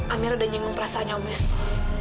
amira udah nyenggung perasaannya om wisnu